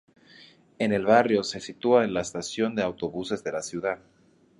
En el barrio se sitúa la Estación de Autobuses de la ciudad.